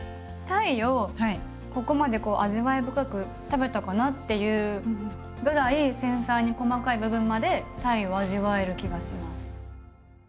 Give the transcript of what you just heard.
鯛をここまで味わい深く食べたかなっていうぐらい繊細に細かい部分まで鯛を味わえる気がします。